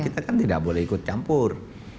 kita kan tidak boleh ikut campur